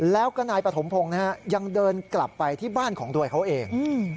แล้วก็นายปฐมพงศ์ยังเดินกลับไปที่บ้านของตัวเขาเอง